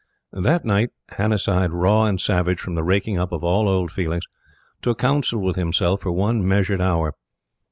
That night, Hannasyde, raw and savage from the raking up of all old feelings, took counsel with himself for one measured hour.